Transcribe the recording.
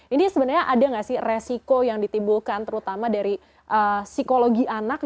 ini sebenarnya ada nggak sih resiko yang ditimbulkan terutama dari psikologi anak